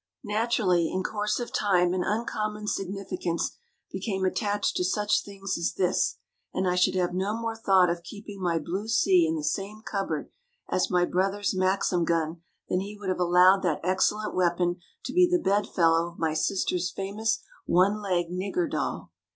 Naturally, in course of time an uncommon significance became attached to such things as this, and I should have no more thought of keeping my blue sea in the same cupboard as my brother's maxim gun than he would have allowed that excellent weapon to be the bedfellow of my sister's famous one legged nigger doll.